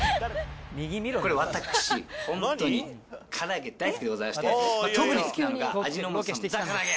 これ、私、本当にから揚げ大好きでございまして、特に好きなのが、味の素さんのザ・から揚げ。